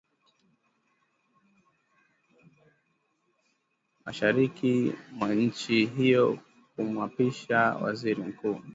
mashariki mwa nchi hiyo kumwapisha Waziri Mkuu